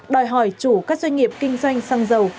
đòi hỏi chủ các doanh nghiệp kinh doanh xăng dầu